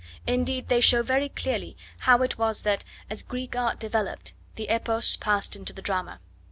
Indeed, they show very clearly how it was that, as Greek art developed, the epos passed into the drama.